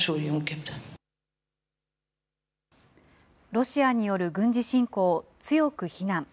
ロシアによる軍事侵攻を強く非難。